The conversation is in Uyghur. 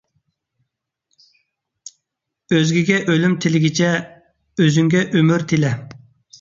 ئۆزگىگە ئۆلۈم تىلىگىچە، ئۆزۈڭگە ئۆمۈر تىلە.